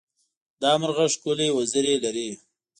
دا مرغه ښکلې وزرې لري.